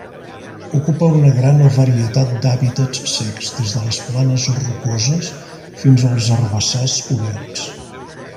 Ocupa una gran varietat d'hàbitats secs, des de les planes rocoses fins als herbassars oberts.